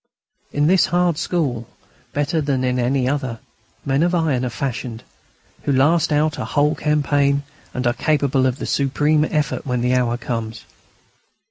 In this hard school, better than in any other, men of iron are fashioned, who last out a whole campaign and are capable of the supreme effort when the hour comes.